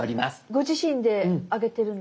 ご自身であげてるんですか？